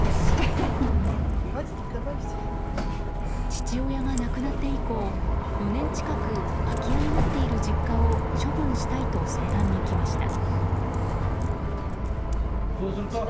父親が亡くなって以降４年近く、空き家になっている実家を処分したいと相談に来ました。